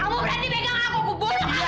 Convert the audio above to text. kamu berani pegang aku bu